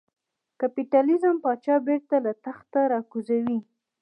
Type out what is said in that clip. کاپیتالېزم پاچا بېرته له تخته را کوزوي.